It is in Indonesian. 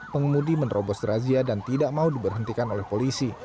pengemudi menerobos razia dan tidak mau diberhentikan oleh polisi